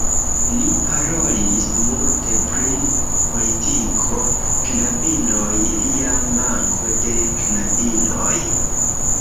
Ni parolis multe pri politiko, knabinoj, lia manko de knabinoj